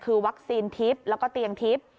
คือวัคซีนทิศแล้วก็เตียงทิศ